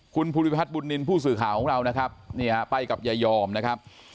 คุณภูริพัฒนบุญนินทร์ผู้สื่อข่าวของเรานะครับนี่ฮะไปกับยายอมนะครับ